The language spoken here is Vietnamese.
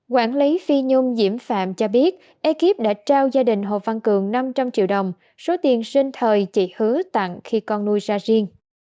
quản lý phi nhôm diễm phạm cho biết ekip đã trao gia đình hồ văn cường năm trăm linh triệu đồng số tiền sinh thời chị hứa tặng khi con nuôi ra riêng